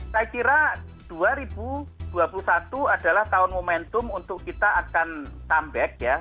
saya kira dua ribu dua puluh satu adalah tahun momentum untuk kita akan comeback ya